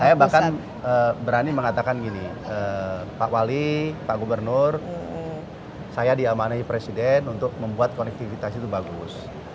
saya bahkan berani mengatakan gini pak wali pak gubernur saya diamanai presiden untuk membuat konektivitas itu bagus